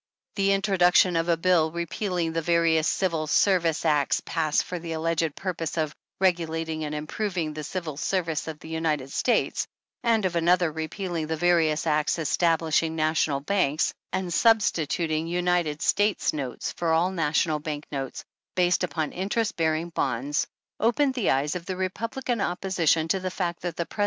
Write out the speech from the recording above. The introduction of a bill repealing the various Civil Service acts passed for the alleged purpose of " regulating and improving the Civil Service of the United States," and of another repealing the various acts establishing National Banks, and substituting United States notes for all national bank notes based upon interest bearing bonds, opened the eyes of the Republican opposition to the fact that the Pre.